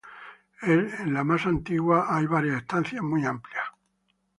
En la más antigua hay varias estancias muy amplias.